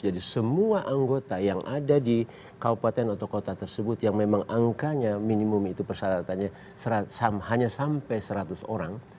jadi semua anggota yang ada di kawpatan atau kota tersebut yang memang angkanya minimum itu persyaratannya hanya sampai seratus orang